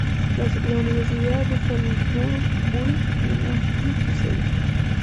La Universidad de Salisbury tiene aquí su sede.